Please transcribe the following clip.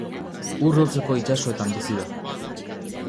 Ur hotzeko itsasoetan bizi da.